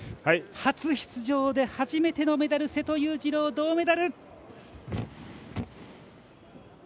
初出場で初めてのメダル瀬戸勇次郎、銅メダル！